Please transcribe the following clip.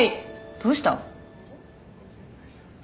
どうした？